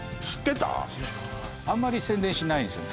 あんまり宣伝しないんですよね